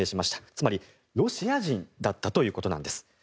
つまり、ロシア人だったということなんです。